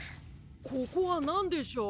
ここはなんでしょう。